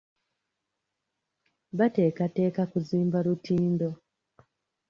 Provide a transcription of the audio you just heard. Bateekateeka kuzimba lutindo.